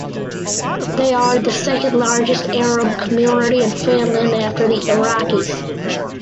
They are the second largest Arab community in Finland after Iraqis.